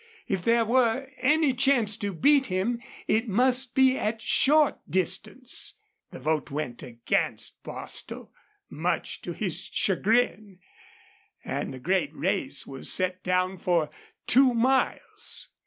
If there were any chance to beat him it must be at short distance. The vote went against Bostil, much to his chagrin, and the great race was set down for two miles.